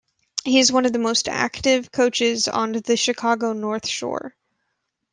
He is one of the most active coaches on the Chicago North Shore.